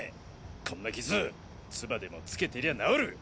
こんな傷つばでもつけてりゃ治る！